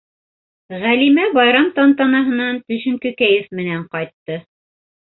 Ғәлимә байрам тантанаһынан төшөнкө кәйеф менән ҡайтты.